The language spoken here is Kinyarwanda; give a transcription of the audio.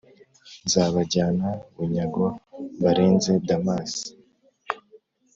Nzabajyana bunyago mbarenze Damasi!